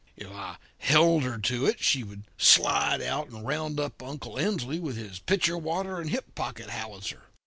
If I held her to it she would slide out and round up Uncle Emsley with his pitcher of water and hip pocket howitzer.